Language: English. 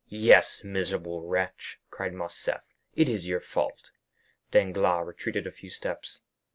"Yes, miserable wretch!" cried Morcerf, "it is your fault." Danglars retreated a few steps.